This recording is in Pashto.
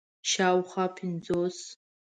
شاوخوا پنځوس